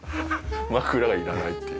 枕がいらないっていう。